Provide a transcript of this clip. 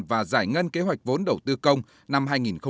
và giải ngân kế hoạch vốn đầu tư công năm hai nghìn một mươi chín